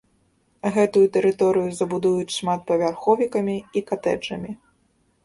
Гэтую тэрыторыю забудуюць шматпавярховікамі і катэджамі.